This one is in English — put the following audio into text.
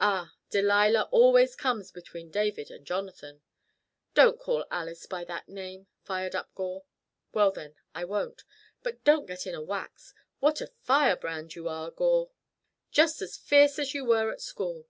Ah, Delilah always comes between David and Jonathan." "Don't call Alice by that name!" fired up Gore. "Well, then, I won't. But don't get in a wax. What a fire brand you are, Gore! Just as fierce as you were at school."